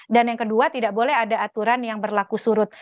dan yang kedua tidak boleh ada aturan yang berlaku surut